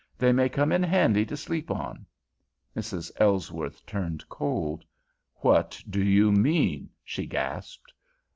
They may come in handy to sleep on." Mrs. Ellsworth turned cold. "What do you mean?" she gasped.